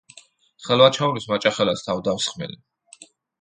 ხელვაჩაურის „მაჭახელას“ თავდამსხმელი.